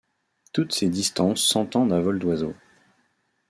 Toutes ces distances s'entendent à vol d'oiseau.